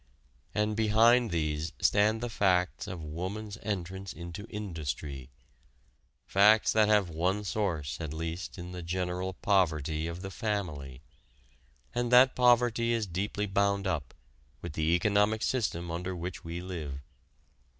And behind these stand the facts of woman's entrance into industry facts that have one source at least in the general poverty of the family. And that poverty is deeply bound up with the economic system under which we live.